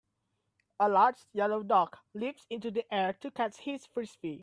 A large yellow dog leaps into the air to catch his Frisbee.